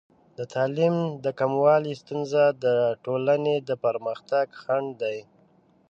د تعلیم د کموالي ستونزه د ټولنې د پرمختګ خنډ دی.